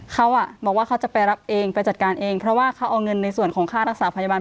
เขาบอกว่าเขาจะไปรับเองไปจัดการเองเพราะว่าเขาเอาเงินในส่วนของค่ารักษาพยาบาล